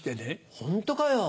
ホントかよ？